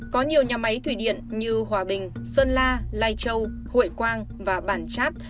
có nhiều nhà máy thủy điện như hòa bình sơn la lai châu hội quang và bản chát